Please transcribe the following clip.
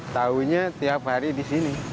tahunya tiap hari di sini